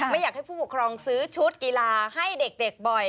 ไม่อยากให้ผู้ปกครองซื้อชุดกีฬาให้เด็กบ่อย